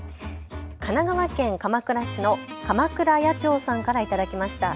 神奈川県鎌倉市の鎌倉野鳥さんから頂きました。